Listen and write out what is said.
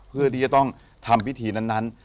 เพื่อที่จะต้องทำพิธีนั้น